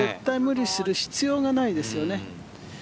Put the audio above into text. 無理はする必要がないですよね。